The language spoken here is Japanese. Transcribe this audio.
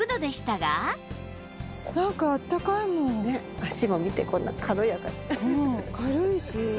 足も見てこんなに軽やか。